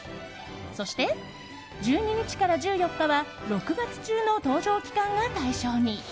そして１２日から１４日は６月中の搭乗期間が対象に。